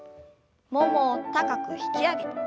ももを高く引き上げて。